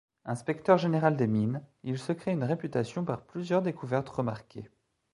Inspecteur général des mines, il se créé une réputation par plusieurs découvertes remarquées.